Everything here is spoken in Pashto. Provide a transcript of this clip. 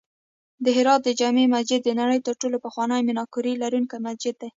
د هرات د جمعې مسجد د نړۍ تر ټولو پخوانی میناکاري لرونکی مسجد دی